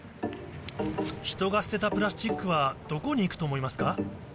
人が捨てたプラスチックはどこに行くと思いますか？